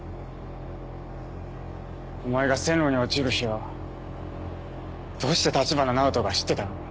お前が線路に落ちる日をどうして橘直人が知ってたのか。